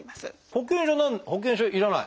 保険証保険証要らない？